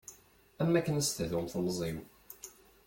Am akken ad s-tdum temẓi-w.